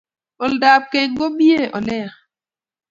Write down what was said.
Olda ab keny ko mie ole yaa